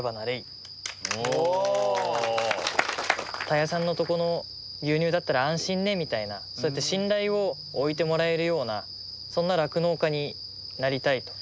「田谷さんのとこの牛乳だったら安心ね」みたいなそうやって信頼を置いてもらえるようなそんな酪農家になりたいと。